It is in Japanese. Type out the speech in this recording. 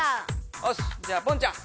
おし！じゃあポンちゃん。